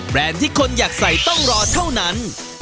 ที่คนอยากใส่ต้องรอเท่านั้น